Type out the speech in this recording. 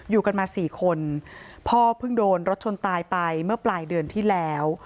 อยู่กันมาสี่คนพ่อเพิ่งโดนรถชนตายไปเมื่อปลายเดือนที่แล้ว